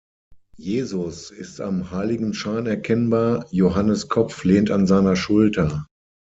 Jesus ist am Heiligenschein erkennbar, Johannes Kopf lehnt an seiner Schulter.